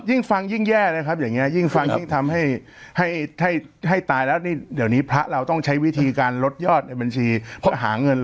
ยิ่งฟังยิ่งแย่นะครับอย่างนี้ยิ่งฟังยิ่งทำให้ให้ตายแล้วนี่เดี๋ยวนี้พระเราต้องใช้วิธีการลดยอดในบัญชีเพราะหาเงิน